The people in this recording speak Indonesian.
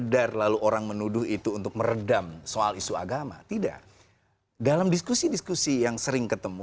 dalam diskusi diskusi yang sering ketemu